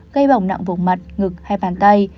gây bỏng nặng vùng mặt ngực hay bàn tay